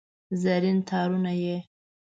زرین تارونه یې